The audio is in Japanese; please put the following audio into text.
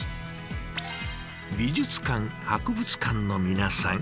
「美術館博物館の皆さん！